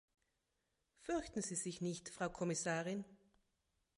Fürchten Sie sich nicht, Frau Kommissarin!